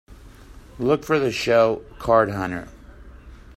Look for the show Card Hunter